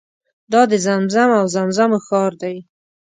دا د زمزم او زمزمو ښار دی.